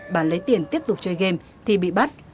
bạn lấy tiền tiếp tục chơi game thì bị bắt